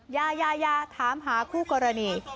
ยายาถามหาคู่กรณี